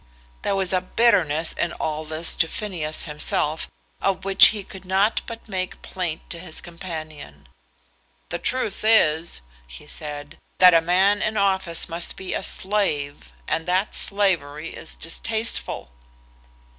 There was a bitterness in all this to Phineas himself of which he could not but make plaint to his companion. "The truth is," he said, "that a man in office must be a slave, and that slavery is distasteful."